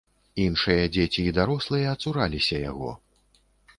Іншыя дзеці і дарослыя цураліся яго.